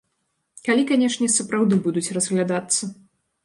Калі, канешне, сапраўды будуць разглядацца.